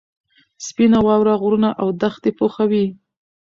سپینه واوره غرونه او دښتې پوښي.